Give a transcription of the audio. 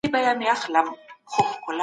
او هغه له موږ سره دی.